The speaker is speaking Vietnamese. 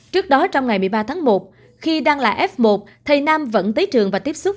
trước đó trong ngày một mươi ba tháng một khi đang là f một thầy nam vẫn tới trường và tiếp xúc